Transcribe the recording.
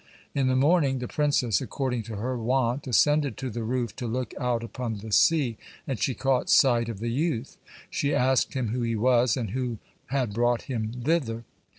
In the morning, the princess, according to her wont, ascended to the roof to look out upon the sea, and she caught sight of the youth. She asked him who he was, and who had brought him thither?